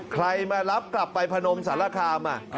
ใครมารับกลับไปพนมสารคาม